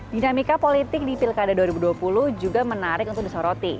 dinamika politik di pilkada dua ribu dua puluh juga menarik untuk disoroti